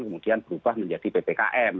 kemudian berubah menjadi ppkm